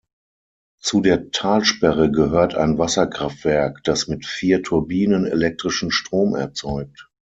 Zu der Talsperre gehört ein Wasserkraftwerk, das mit vier Turbinen elektrischen Strom erzeugt.